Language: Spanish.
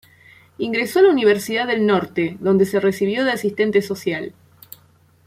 Ingresó a la Universidad del Norte, donde se recibió de asistente social.